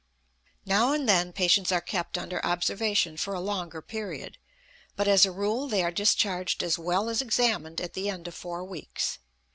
Now and then patients are kept under observation for a longer period, but, as a rule, they are discharged as well as examined at the end of four weeks.